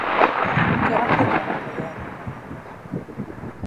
Què va fer durant aquella època?